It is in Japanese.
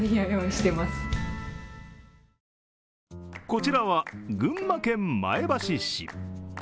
こちらは群馬県前橋市。